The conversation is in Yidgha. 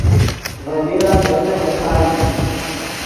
ڤے بیرا دے تہہ اوستائیم